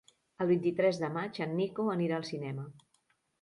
El vint-i-tres de maig en Nico anirà al cinema.